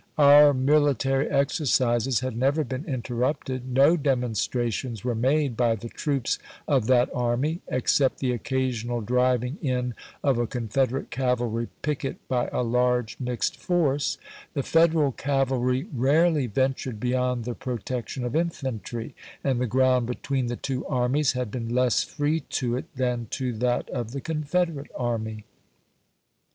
" Our mil itary exercises had never been interrupted. No demonstrations were made by the troops of that army, except the occasional driving in of a Con federate cavalry picket by a large mixed force. The Federal cavalry rarely ventured beyond the Johnston, protection of infantry, and the ground between ofmrnaJv the two armies had been less free to it than to that tionK s*. of the Confederate army."